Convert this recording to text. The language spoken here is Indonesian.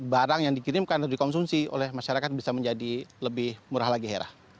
barang yang dikirimkan atau dikonsumsi oleh masyarakat bisa menjadi lebih murah lagi hera